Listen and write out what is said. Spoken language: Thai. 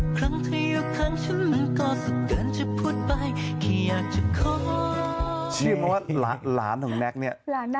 ขอแค่เธอลองเปิดใจรับฉันเข้าไป